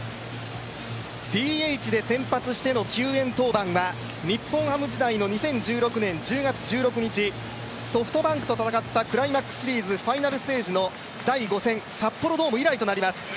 ＤＨで先発しての救援登板は、日本ハム時代の２０１６年１０月１６日、ソフトバンクと戦ったクライマックスシリーズファイナルステージの第５戦、札幌ドーム以来となります。